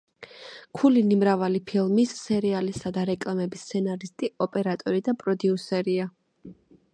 ქულინი მრავალი ფილმის, სერიალისა და რეკლამების სცენარისტი, ოპერატორი და პროდიუსერია.